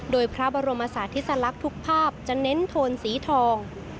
โดยพระบรมศาสติสลักษณ์ทุกภาพจะเน้นโทนสีทอง